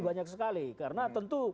banyak sekali karena tentu